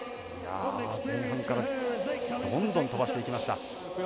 前半からどんどん飛ばしていきました。